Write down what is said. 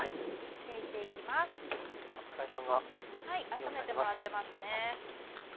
あっためてもらってますね。